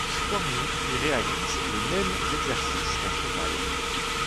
Stormy y réalise les mêmes exercices qu'un cheval.